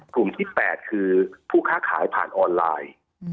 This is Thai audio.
กลุ่มที่๘คือผู้ค้าขายผ่านออนไลน์